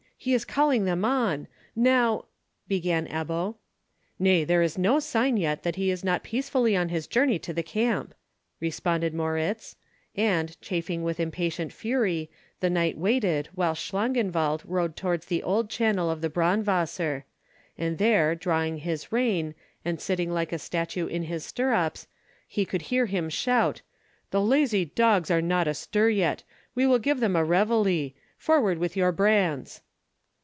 He is calling them on! Now—" began Ebbo. "Nay, there is no sign yet that he is not peacefully on his journey to the camp," responded Moritz; and, chafing with impatient fury, the knight waited while Schlangenwald rode towards the old channel of the Braunwasser, and there, drawing his rein, and sitting like a statue in his stirrups, he could hear him shout: "The lazy dogs are not astir yet. We will give them a réveille. Forward with your brands!"